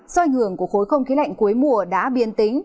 do ảnh hưởng của khối không khí lạnh cuối mùa đã biên tính